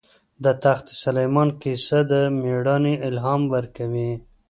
د تخت سلیمان کیسه د مېړانې الهام ورکوي.